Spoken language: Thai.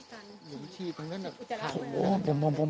หลุมที่ว่าคุณพี่สัน